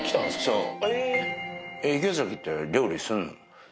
そう。